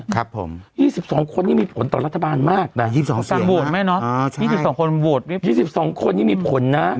ครับผมยี่สิบสองคนนี่มีผลต่อรัฐบาลมากน่ะยี่สิบสองคนนี่มีผลน่ะ